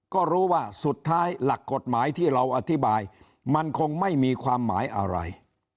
ก็รู้ว่าสุดท้ายหลักกฎหมายที่เราอธิบายมันคงไม่มีความหมายอะไร